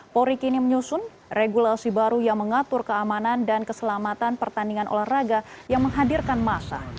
polri kini menyusun regulasi baru yang mengatur keamanan dan keselamatan pertandingan olahraga yang menghadirkan masa